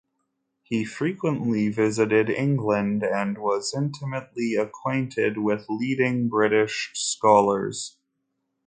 He frequently visited England, and was intimately acquainted with leading British scholars.